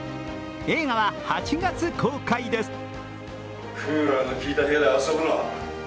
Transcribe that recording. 映画は、８月公開です。